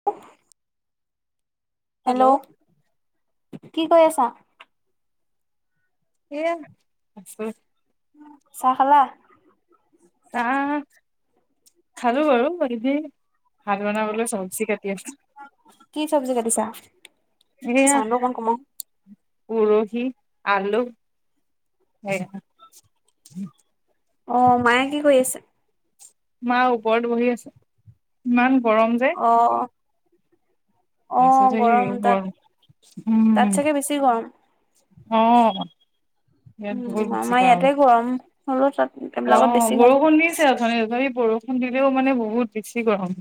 [unintelligible] Hello hello? কি কৰি আছা? সেইয়ে [unintelligible] চাহ খালা? আহ খালোঁ বাৰু [unintelligible] ভাত বনাবলৈ চবজি কাটি আছোঁ। কি চব্জি কাটিছা? চাউদটো অকমান কমা। উৰোহি, আলু, সেইয়া। অ', মায়ে কি কৰিচে? মা ওপৰত বহি আছে, ইমান গৰম যে। অ', তাৰপিছত অ', সেই গৰম তাত। ওপৰত উম চাগে বেছি বেছি গৰম। অ'। ইয়াত বহুত উম, বেছি আমাৰ গৰম। ইয়াতে হ'লেও তাত এইবিলাকত অ', বেছি গৰম। বৰষুণ দিছে আৰু [unintelligible] বৰষুণ দিলেও মানে বহুত বেছি গৰম।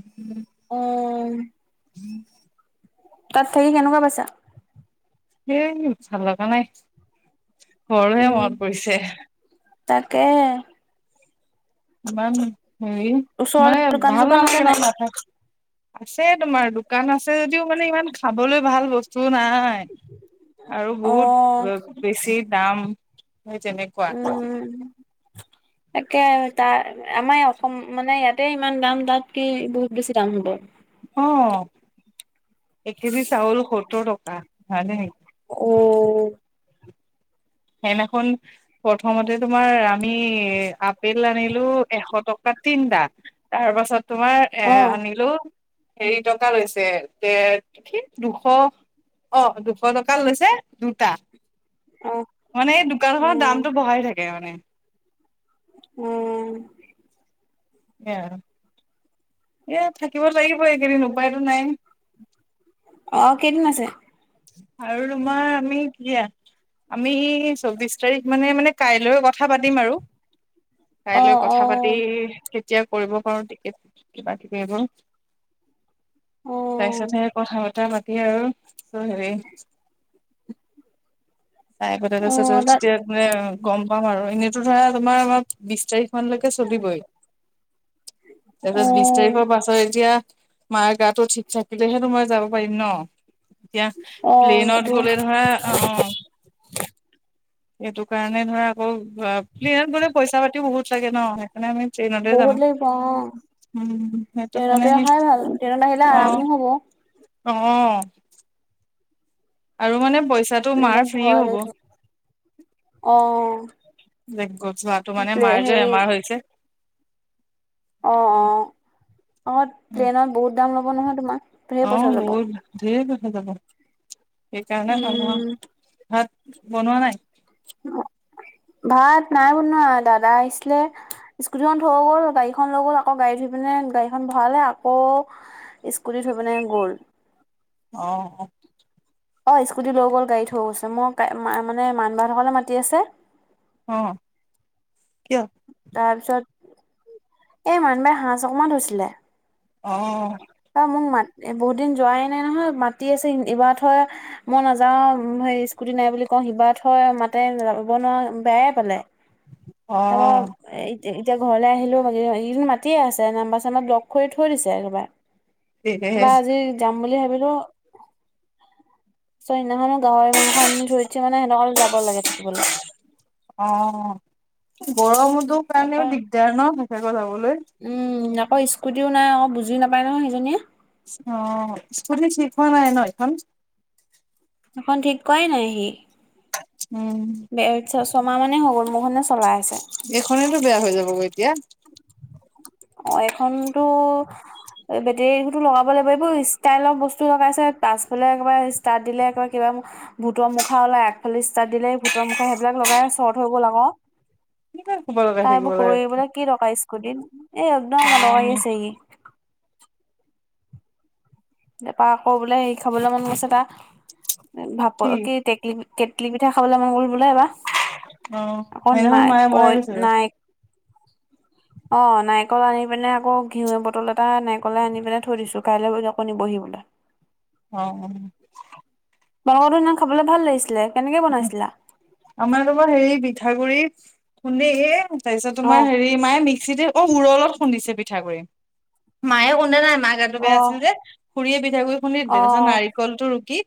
অ'। [unintelligible] তাত থাকি কেনেকুৱা পাইছা? সেই ভাল লাগা নাই, ঘৰহে উম, মনত পৰিছে। তাকে। ইমান হেৰি ওচৰতে মানে দোকান ভাল চোকান আছে নালাগ ন নাই? তাতে [unintelligible] আছে তোমাৰ দোকান আছে যদিও মানে ইমান খাবলৈ ভাল বস্তু নাই। আৰু অ' বহুত বেছি দাম, সেই তেনেকুৱা। উম। [unintelligible] তাকে তাৰ আমাৰ অসম মানে ইয়াতে ইমান দাম তাত কি বহুত বেছি দাম হ'ব। অ', এক কেজি চাউল সত্তৰ টকা। হয় [unintelligible] অ'। সেদিনাখন প্ৰথমতে তোমাৰ আমি আপেল আনিলোঁ এশ টকাত তিনটা তাৰ পাছত তোমাৰ এ অ' আনিলোঁ হেৰি টকা লৈছে, দেৰ এটো কি দুশ অ', দুশ টকা লৈছে দুটা। অ'। মানে এই দোকান খনৰ উম, দামটো বঢ়াই থাকে মানে। উম। তাকে আৰু। ইয়াত থাকিব লাগিব এইকেইদিন উপায়তো নাই। আৰু কেইদিন আছে? আৰু তোমাৰ আমি [unintelligible] আমি চৌব্বিছ তাৰিখ মানে-মানে কাইলৈ কথা পাতিম আৰু। অ কাইলৈ অ কথা পাতি কেতিয়া কৰিব পাৰোঁ টিকেট কিবা কিবি এইবোৰ। অ তাৰপিছতহে কথা-চথা পাতি আৰু [unintelligible] হেৰি তাই কতে অ তাত [unintelligible] মনে গম পাম আৰু, এনেইতো ধৰা তোমাৰ আমাৰ [unintelligible] বিশ তাৰিখ মানলৈকে চলিবই। অ তাৰপিছৰ বিশ তাৰিখৰ পাছত এতিয়া মাৰ গাটো ঠিক থাকিলেহে তোমাৰ যাব পাৰিম ন'। এতিয়া অ প্লেইনত সেইটো গ'লে ধৰা অ' এইটো কাৰণে ধৰা আকৌ, প্লেনত গ'লে পইচা পাতিও বহুত লাগে ন'। মানে আমি ট্ৰেইনতে বহুত যাম। লাগিব অ উম, সিহঁতক ট্ৰেইনতে মানে, অহাই ভাল ট্ৰেইনত আহিলে আৰামো হব অ', অ'। আৰু মানে পইচাত প্লেইনত ভৰাই ল'লোঁ, অ'। যে গ যোৱাটো মানে প্লে মাৰ যে সেই বেমাৰ হৈছে। অ', অ' আমাৰ প্লেইনত বহুত দাম ল'ব নহয় তোমাৰ। ধেৰ পইচা অ' যাব বহুত ধেৰ পইছা যাব সেইকাৰণে নাযাওঁ। উম ভাত বনোৱা নাই? ভাত নাই বনোৱা, দাদা আহিছিলে স্কুটিখন থৈ গ'ল গাড়ীখন লৈ গ'ল আকৌ গাড়ী ধৈ পিনে গাড়ীখন ভৰালে আকৌ স্কুটী থৈ পিনে গ'ল। অ'। অ' স্কুটি লৈ গ'ল গাড়ী থৈ গৈছে, মই মাৰ মানে মান বাসকলে মাতি আছে। অ', কিয়? তাৰপিছত এই মান বাই হাঁচ অকণমান থৈছিলে। অ'। তাই মোক মাত বহুত দিন যোৱাই নাই নহয়, মাতি আছে এইবাৰ থৈ মই নাযাওঁ সে স্কুটি নাই বুলি কওঁ, সিবাৰতৈ মাতে যাব নোৱাৰো বেয়াই পালে। অ তাৰপা এ, এতিয়া ঘৰলৈ আহিলো, এইকেইদিন মাতিয়ে আছে নাম্বাৰ চাম্বাৰ ব্লগ কৰি থৈ দিছে একেবাৰ। এ বা আজি যাম বুলি ভাবিলোঁ চ' সেদিনাখনো গাহৰি মাংস আনি থৈ দিছে মানে সেইদিনাখনো যাব লাগে থাকিবলৈ। অ' গৰমতোৰ তাৰপা কাৰণেও দিগদাৰ ন' থকাকে যাবলৈ। উম, আকৌ স্কুটিও নাই আকৌ বুজি নাপায় নহয় সেইজনীয়ে। অ' স্কুটি ঠিক হোৱা নাই ন' সেইখন? সেইখন ঠিক কৰাই নাইহি। উম। বে, ছমাহমানেই হৈ গ'ল মোৰখনে চলাই আছে। এইখনেতো বেয়া হৈ যাব গৈ এতিয়া। অ' এইখনটো বেটেৰীবোৰতো লগাব লাগিব, এইবোৰ ষ্টাইলৰ বস্তু লগাইছে পাছফালে একবাৰে ষ্টাট দিলে একাৰে কিবা ভূতৰ মুখা ওলাই, আগফালে ষ্টাত দিলে ভূতৰ মুখা সেইবিলাক লগাই চৰ্ট হৈ গ'ল আকৌ। কেনেকৈ খোপা লগাই থাকিব তাইবোৰ লাগে কৰিবলে কি দৰকাৰ স্কুটিত এ, একদম অদৰকাৰ আছে ই। এটাৰ আকৌ বোলে হেৰি খাবলৈ মন গৈছে তাৰ ভাপৰ কি টেকলি কেটলি পিঠা খাবলৈ মন গ'ল বোলে অ এইবাৰ আকৌ সেইদিনাখন নাই মায়ে বনাই পই দিছে নাই [inaudible] অ' নাৰিকল আনি পিনে আকৌ ঘিউৰ বটল এটা নাৰিকলে আনি পিনে থৈ দিছোঁ কাইলৈ [unintelligible] আপুনি বহিবলৈ। অ'। বাৰগাৰটো সেইদিনা খাবলৈ ভাল লাগিছিলে, কেনেকে বনাইছিলা? আমাৰ তোমাৰ হেৰি পিঠাগুৰি খুন্দি এ, তাৰপিছত তোমাৰ অ', হেৰি কি মায়ে মিক্সিতে অ' মুউৰলত খুন্দিছে পিঠাগু়ড়ি মায়ে [unintelligible] সেইতো বেয়া আছিল অ', যে খুুৰীয়ে পিঠাগুৰি খুন্দি দিলে তাৰ পিছত অ', নাৰিকলটো ৰুকি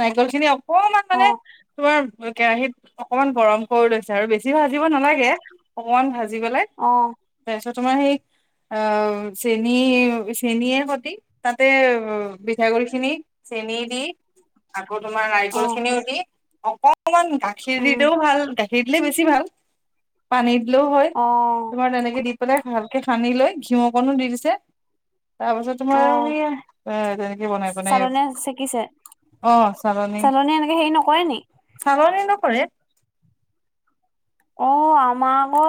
নাৰিকল খিনি অকমান মানে অ', তোমাৰ কেৰাহীত অকমান গৰম কৰি লৈছে আৰু বেছি ভাজিব নালাগে অকমান ভাজি পেলাই অ', তাৰপিছত তোমাৰ সেই অ'চেনী, চেনীয়ে সতি তাতে পিঠাগুৰি খিনি চেনী দি আকৌ তোমাৰ ৰাইজল অ', খিনিও দি অকনমান গাখীৰ উম, দিলেও ভাল গাখ খীৰ দিলে বেছি ভাল পানী দিলেও হয় অ', তোমাৰ তেনেকে দি পেলাই ভালকে সানি লৈ ঘিউঅকনো দি দিছে তাৰ পাছত তোমাৰ আৰু সেয়া এ তেনেকে বনাই [unintelligible] চালনে চেকিছে? অ' চালনী, চালনীয়ে এনেকে হেৰি নকৰে নি? চালনী নকৰে অ' আমাৰ আকৌ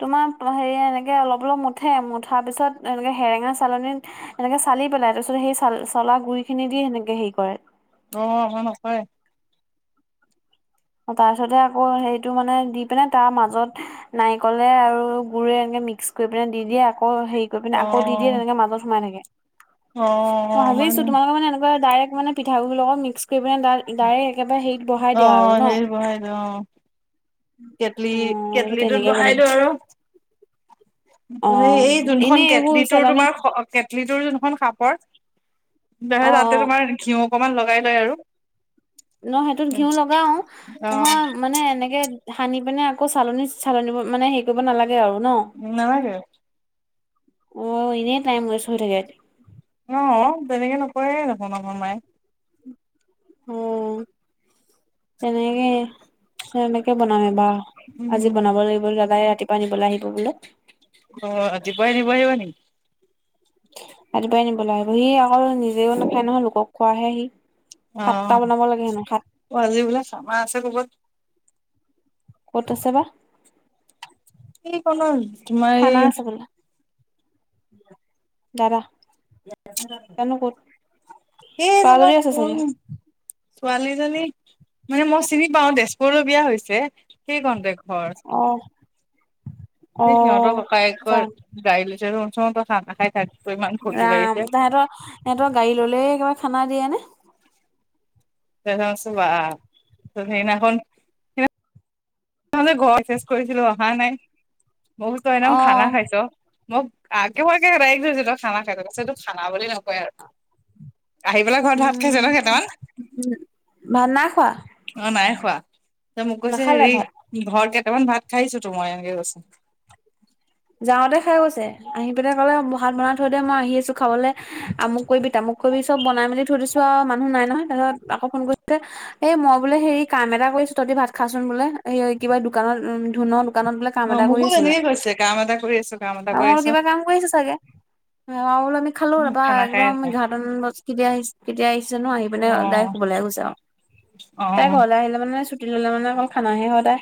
তোমাৰ হেৰি এনেকে অলপ, অলপ মুঠে মুঠাৰ পিছত এনেকে হেৰেঙা চালনীত এনেকে চালি পেলাই তাৰপিছত সেই চল-চলা গুৰি খিনি দি সেনেকে হেৰি কৰে। অ' মই নাচাওৱে। অ'তাৰপিছতে আকৌ হেইটো মানে দি পিনে তাৰ মাজত নাৰিকলে আৰু গুৰে এনেকে মিক্স কৰি পিনে দি দিয়া অ'হেৰি কৰি পিনে অ আকৌ দি দিয়ে তেনেকে মাজত সোমাই থাকে। অ অ মই ভাবি আমাৰ আছো তোমালোকে মানে এনেকোৱা ডাইৰেক্ট মানে পিঠাগুৰি লগত মিক্স কৰি পেলায় ডাল ডাইৰেক্ট একেবাৰে হেৰিত বহাই অ দিয়ে আৰু ন'। [unintelligible] বহাই দিও অ' কেটলি অ কেটলিটোত তেনেকে বহাই বনাব দিওঁ আৰু। অ মানে এই যোনখন এনেই এইবোৰ কেটলি টোৰ চেলনীত তোমাৰ অ [unintelligible] অ তাতে তোমাৰ ঘিউ অকমান লগাই লয় আৰু। নহ সেইটোত ঘিউ লগাও অ নহয় মানে এনেকে সানি পিনে আকৌ চালনী, চালনী মানে হেৰি কৰিব নালাগে আৰু ন'। উম, নালাগে। অ' এনেই টাইম ৱেষ্ট হৈ থাকে। অ' তেনেকে নকৰে দেখুন আমাৰ মাই। অ'তেনেকে, তেনেকে বনামে এবাৰ ৰহ আজি উম বনাব লাগিব দাদাই ৰাতিপুৱা নিবলৈ আহিব বোলে। অ'ৰাতিপুৱাই নিব আহিব নি? ৰাতিপুৱাই নিবলৈ আহিব সি আকৌ নিজেও নাখায় নহয় লোকক খোৱাহে সি। সাতটা বনাব লাগে হেনো সাত অ'অ'আজি বোকে চামা আছে ক'বত? ক'ত আছে বা। কি [unintelligible] খানা আছে বুলে। দাদা জানো ক'ত এই যে মই তৰাজুলি আছে কোন চাগে ছোৱালীজনী মানে মই চিনি পাও তেজপুৰলৈ বিয়া হৈছে সেই কণতে ঘৰ। অ', অ সেই সিহঁতৰ ককাই কৰ জান গাড়ী লৈছে দেখোন [unintelligible] খানা খাই থাক। তোৰ ইমান ফূৰ্তি ৰাম লাগিছে তাহাঁতৰ এহেতৰ গাড়ী ললেহে একেবাৰে খানা দিয়ে নে। বা ত সেইদিনা খন মই বোলো ঘৰ চেঞ্জ কৰিছিলো অহা নাই মই বোলো তই অ একদম খানা খাইছ। মোক আকে তাইক কৈছো তই খানা খাইছ ত কৈছে এটোক খানা বুলি নকয় আৰু আহি পেলাই ঘৰত ভাত খাইছে উম ন কেইটামান উম ভাত নাই খোৱা অ নাই খোৱা। ত, মোক কৈছে নাখালে হেৰি, ভাত ঘৰত কেইটামান ভাত খাইছো ত মই এনেকে কৈছো। যাওঁতে খাই গৈছে। আহি পিনে ক'লে, ব ভাত বনাই থৈ দে মই আহি আছো খাবলে আমুক কৰিবি তামুক কৰিবি চব বনাই মেলি থৈ দিছো ত, মানুহ নাই নহয় তাৰপিছত আক ফোন কৰোতে এই মই বোলে হেৰি, কাম এটা কৰিছো। তহতে ভাত খাচোন বোলে। এই কিবা দোকানত উম, ধুনৰ দোকানত বোলে কাম অ, এটা মোকো তেনেকে কৈছে, কাম এটা কৰি আছো কাম এটা অ মই কৰি বোলো আছো কিবা কাম কৰিছে চাগে অ আমি খালো তাপা খানা খাই একদম আছে। ঘাট উম, কেতিয়া আহিছে, কেতিয়া আহিছে তাছত আহি পিনে অ মানে ডাইৰেক্ট শুবলে গৈছে আউ অ তাই ঘৰলে আহিলে মানে চুট কিনি ললে মানে অকল খানাহে হয় তাই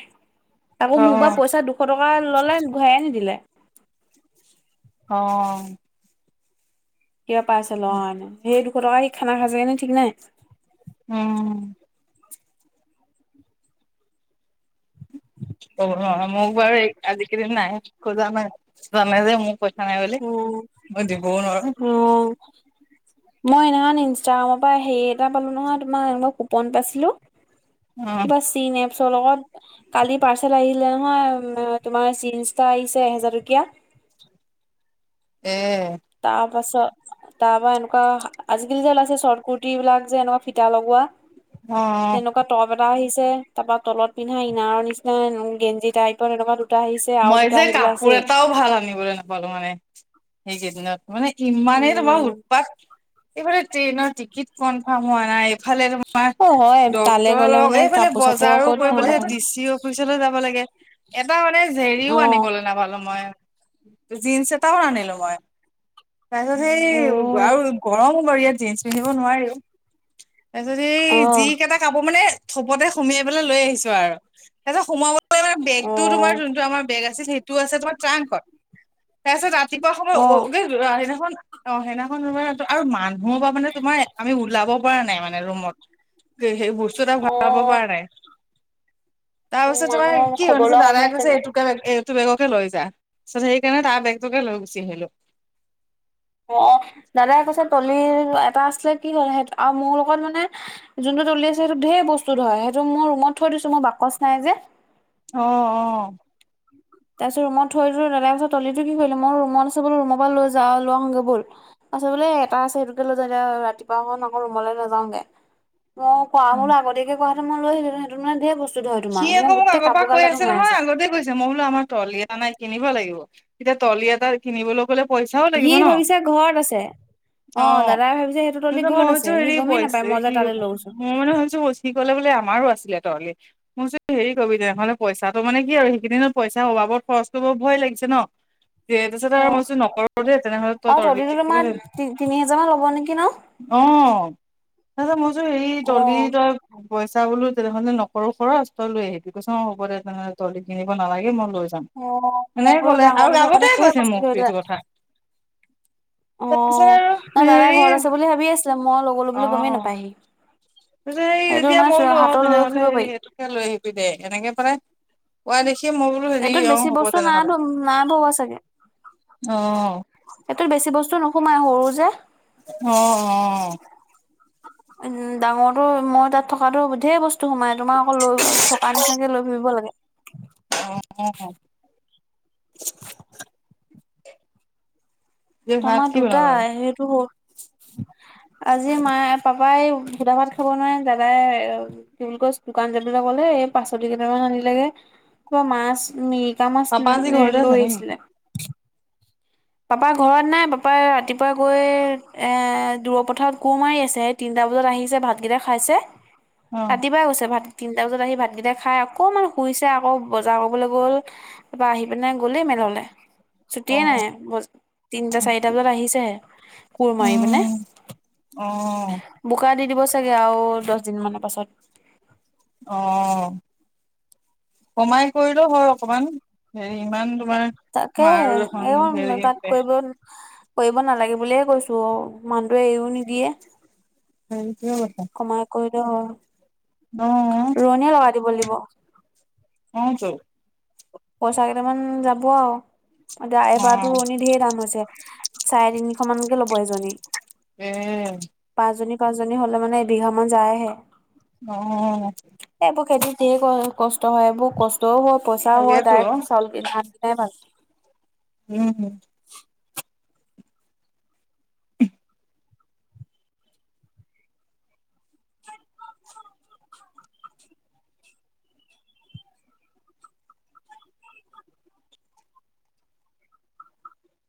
তাকৌ অ মোক পা পইচা দুশ টকা ললে ঘূৰাই নিদিলে [unintelligible] অ কিবা পাইছে ল, সেই দুশ টকা দি খানা খাইগে নি ঠিক নাই। উম অ, মোক বাৰু এই আজি কালি নাই, খোজা নাই জানে যে মোক পই ঔ ঔ মই সেইদিনা খন ইনষ্টাগ্ৰামৰ পা হেৰি এটা পালো নহয় তোমাৰ এনেকুৱা কুপন পাইছিলো। অ কিবা চিন এপছৰ লগত। কালি পাৰ্চেল আহিলে নহয়, তোমাৰ জীন্চ এটা আহিলে এহেজাৰ টকীয়া। এ তাপাছত, তাপা, এনেকুৱা আজিকালি যে ওলাইছে শৰ্ট কুট। টিবিলাক যে এনেকুৱা ফিটা লগোৱা, অ তেনেকুৱা টপ এটা আহিছে তা পা তলত পিন্ধা ইনাৰৰ নিচিনা গেঞ্জি টাইপত এনকা দুট মই যে, কাপোৰ এটাও ভাল আনিবলৈ না বলো মানে, সেইকেইদিনত মানে ইমানেই তোমাৰ ওট উম উৎপাত, এইফালে ট্ৰেইনৰ টিকিট কনফাৰ্ম হোৱা নাই। ইফালে তোমাৰ অ হয় তালৈ ডক্তৰৰ গ'লে লগত মানে এইফালে কাপোৰ চাপোৰ বজাৰো ক'ত পাব কৰিবলে চাগে দিছি অ অফিচলেও যাব লাগে, এটা মানে জেৰিও অ আনিবলৈ নাপালো মই। জীন্চ এটাও আনিলো মই তাৰপিছত সেই উ আউ গৰমো বাৰু, ইয়াত জিন্স পিন্ধিব নোৱাৰিও তাৰপিছত এই অ যি কেইটা কাপোৰ মানে থপতে সোমিয়াই পেলাই লৈ আহিছো আৰু তাৰপিছত সোমাবলৈ মানে অ বেগতোও তোমাৰ টো আমাৰ বেগ আছে সেইটোও আছে তোমাৰ ট্ৰাংকত তাৰপিছত ৰাতিপুৱা সময়, অ অ, সেইদিনাখন অ সেইদিনাখন তোমাৰ, আৰু মানুহৰ পা মানে তোমাৰ আমি ওলাব পৰা নাই মানে ৰুমত সেই বস্তু এটা অ ভৰাব পৰা নাই। তাৰ উ পাছত তোমাৰ মানুহৰ কি খবৰ আনিছে, লোৱা মানুহ দাদাই আছে কৈছে চাগে এইটো তই এইটো বেগকে লৈ যা পিছত সেকাণে তাৰ বেগটোকে লৈ গুচি আহিলো। অ দাদাই কৈছে তলিৰ এটা আছিলে কি হল সে আৰু মোৰ লগত মানে যোনটো তলি আছে সেইটো ঢেৰ বস্তু ধৰে। সেইটো মোৰ ৰুমত থৈ দিছো, মোৰ বাকচ নাই যে। অ, অ [unintelligible] তাৰপিছত ৰুমত থৈ দিওঁ দাদাই কৈছে তলিটো কি কৰিলে? মোৰ ৰুমত আছে বোলো ৰুমৰ পৰা লৈ যা, লওঁ আহোগে বল। পাছত বোলে এটা আছে সেইটোকে লৈ যা। এতিয়া ৰাতিপুৱাখন আকৌ ৰুমলৈ নাযাওগে। কোৱা উম। হ'লে আগতিয়াকে কোৱা হেঁতেন মই লৈ আহিলিহেঁতেন। সেইটো মানে ঢেৰ বস্তু। ধৰে তোমাৰ সি মোৰ আকৌ মোক গোটেই আগৰ পৰা কাপোৰ গাল কৈ তাত আছে সোমাই নহয়। আগতে গৈছে। মই বোলো আমাৰ ট্ৰলি এটা নাই, কিনিব লাগিব। এতিয়া ট্ৰলি এটা কিনিবলৈ গ'লে পইচাও সি লাগিব ন ভাবিছে ঘৰত আছে। অ, দাদাই ভাবিছে সেইটো ট্ৰলি তাৰপিছত মই ঘৰত আছে। ভাবিছো সি হেৰি গমেই নাপায় পইচা মই যে কি তাত লৈ গৈছোঁ। মই মানে ভাবিছো সি কলে বোলে আমাৰো আছিলে ট্ৰলী। মোৰ যে হেৰি কৰিবি, তেনেহ'লে পইচাটো মানে কি হয় আৰু সেইকেইদিনত পইচাৰ অভাৱত খৰচটো কৰিব ভয় লাগিছে ন। দিয়ে তাৰপিছত অ আৰু মই কৈছো নকৰো দেই তেনেহলে তই হ'ব নেকি ন? অহ তাৰপিছত মই কৈছো হেৰি অ ট্ৰলী তই পইচা বোলোঁ তেনেহলে নকৰো খৰছ। তই লৈ আহিবি কৈছোঁ মই হ'ব দে তেনেহলে তহতে কিনিব নালাগে মই লৈ যাম। অহ মই এনেকে বুলো ক'লে আৰু ডাঙৰ টো আগতে থকাতে কৈছে কষ্ট মোক দিয়ে। এইটো কথা তাৰপিছত অহ আৰু নাই দাদাই হেৰি ঘৰত আছে বুলি ভাবি আছিলে মই লয় গলো বুলি গমেই নাপায় সি। ত স যেতিয়া মই বোলো ফুৰিব পাৰি তেনেহ'লেকে লৈ আহিবি দে এনেকে মানে কোৱা দেখি মই বোলো হেৰি এইটোত আহ বেছি হ'ব বস্তু নাই তেনেহলে নাই ভৰোৱা আহ। সেইটোত বেছি বস্তু নোসোমাই সৰু যে। অহ অহ। উম ডাঙৰটো মই তাত থকাটো ঢেৰ বস্তু সোমাই। তোমাৰ আকৌ লৈ চকাৰ নিচিনাকে লৈ ফুৰিব লাগে। [inaudible] যে ভাত তোমাৰ কি দুটা বনাবা সেইটো হ'ল আজি মায়ে পাপাই সুধা ভাত খাব নোৱাৰে দাদাই কি বুলি কয় দোকান যাবলৈ ক'লে এই পাচলি কেইটামান আনিলেগে মাছ মিট মিছা মাছ পাপা আজি ঘৰতে আছে লৈ নেকি আহিছিলে। পাপাই ঘৰত নাই পাপাই ৰাতিপুৱা গৈ এ দূৰৰ পথাৰত কোৰ মাৰি আছে। তিনিটা বজাত আহিছে ভাতকেইটা খাইছে অ ৰাতিপুৱাই গৈছে ভাত তিনিটা বজাত আহি ভাতকেইটা খাই অকমান শুইছে আকৌ বজাৰ কৰিবলৈ গ'ল। তাৰপৰা আহি পিনে গ'লেই মেলালে। অ চুটিয়ে নাই তিনিটা চাৰিটা বজাত আহিছে ই। কোৰ মাৰিপিনে উম অ বোকা দি দিব চাগে আৰু দহছ দিন মানৰ পাছত। অহ। কমাই কৰিলও হয় অকমান হেৰি ইমান তোমাৰ মাৰ [inaudible] দেখোন কৰিব হেৰি বোলে নালাগে বুলিয়ে কৈছোঁ আৰু মানুহটোৱে এৰিও নিদিয়ে। [inaudible] কমাই কৰিলে অ হয় ৰোৱনীয়ে লগাই দিব লাগিব। অহ টো। পইচা কেইটামান যাব আৰু এতিয়া অ এবাৰতো ৰোৱণী ঢেৰ দাম হৈছে। চাৰে তিনিশ মানকে ল'ব এজনী। এই পাঁচজনী পাঁচজনী হ'লে মানে এবিঘামান যায়হে। অহ। এই এইবোৰ খেতিত ধেৰ কষ্ট হয়, এইবোৰ কষ্টও হয় পইচাও হয় তাকেতো ডাইৰেক্ট চাউল এই ভাত কেইটাই ভাল। উম, হুম।